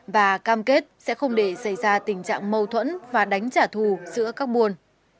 và cam kết sẽ không để xảy ra tình trạng mâu thuẫn và đánh trả thù giữa các buôn